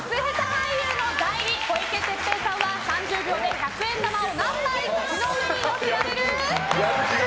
俳優の代理小池徹平さんは３０秒で百円玉を何枚口の上に乗せられる？